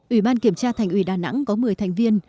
ủy ban kiểm tra thành ủy đà nẵng có một mươi thành viên